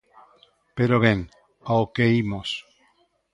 Pero ben, ao que imos.